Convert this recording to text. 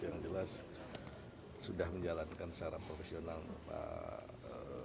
yang jelas sudah menjalankan secara profesional pak